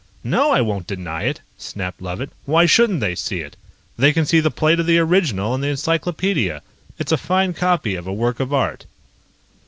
"No, I won't deny it!" snapped Levitt. "Why shouldn't they see it? They can see the plate of the original in the encyclopaedia. It's a fine copy of a work of art."